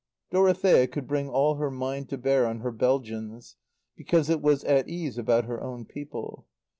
Dorothea could bring all her mind to bear on her Belgians, because it was at ease about her own people.